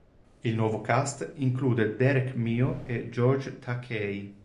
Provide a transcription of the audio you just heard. Il nuovo cast include Derek Mio e George Takei.